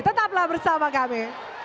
tetaplah bersama kami